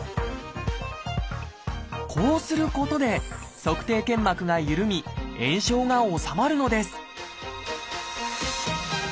こうすることで足底腱膜がゆるみ炎症が治まるのです